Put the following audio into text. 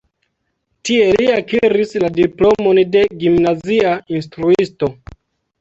Tie li akiris la diplomon de gimnazia instruisto.